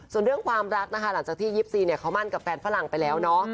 ส่วนเรื่องความรักนะคะหลังจากที่๒๔เขามั่นกับแฟนฝรั่งไปแล้วเนาะ